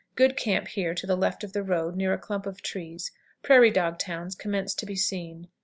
Good camp here to the left of the road, near a clump of trees. "Prairie dog towns" commence to be seen.